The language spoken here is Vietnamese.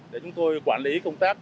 để chúng tôi quản lý công tác